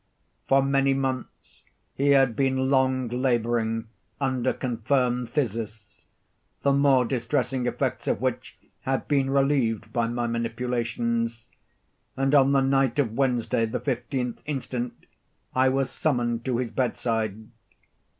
For many months he had been laboring under confirmed phthisis, the more distressing effects of which had been relieved by my manipulations; and on the night of Wednesday, the fifteenth instant, I was summoned to his bedside.